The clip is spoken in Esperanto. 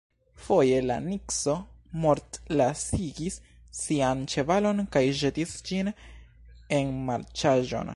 Foje la nikso mortlacigis sian ĉevalon kaj ĵetis ĝin en marĉaĵon.